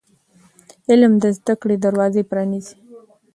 علم د زده کړې دروازې پرانیزي.